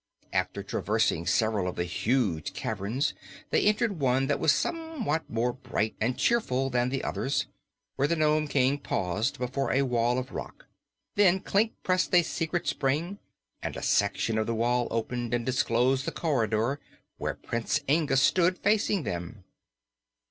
After traversing several of the huge caverns they entered one that was somewhat more bright and cheerful than the others, where the Nome King paused before a wall of rock. Then Klik pressed a secret spring and a section of the wall opened and disclosed the corridor where Prince Inga stood facing them.